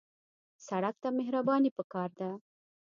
سړک ته مهرباني پکار ده.